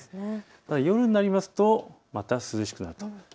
夜になりますとまた涼しくなります。